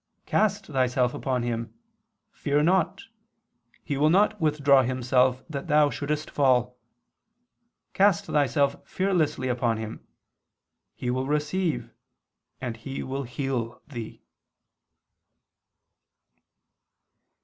Cast thyself upon Him; fear not, He will not withdraw Himself that thou shouldst fall. Cast thyself fearlessly upon Him: He will receive and will heal thee."